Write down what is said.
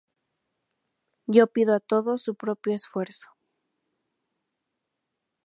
Yo pido a todos su propio esfuerzo.